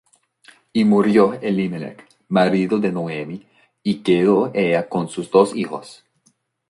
Y murió Elimelech, marido de Noemi, y quedó ella con sus dos hijos;